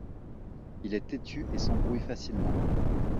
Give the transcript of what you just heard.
Il est têtu et s'embrouille facilement.